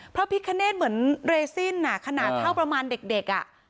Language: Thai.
พระพิคเนธเหมือนเรซินขนาดเท่าประมาณเด็กอ่ะ